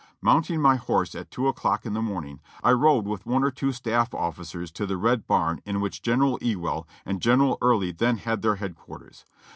Mounting my horse at two o'clock in the morning, I rode with one or two staff officers to the red barn in which Gen eral Ewell and General Early then had their headquarters.